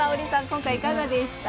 今回いかがでした？